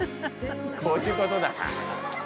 こういうことだな。